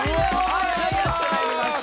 はいはいやってまいりました